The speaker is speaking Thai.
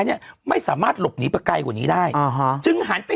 ยังไงยังไงยังไงยังไง